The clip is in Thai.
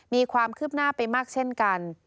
มีความคืบหน้าไปมากเช่นกัน